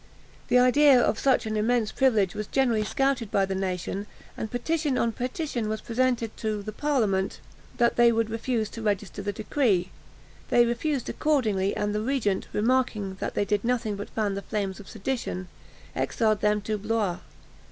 The idea of such an immense privilege was generally scouted by the nation, and petition on petition was presented to the parliament that they would refuse to register the decree. They refused accordingly, and the regent, remarking that they did nothing but fan the flame of sedition, exiled them to Blois.